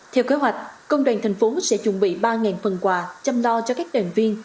theo kế hoạch công đoàn tp hcm sẽ chuẩn bị ba phần quà chăm lo cho các đoàn viên